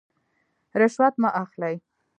رشوت مه اخلئ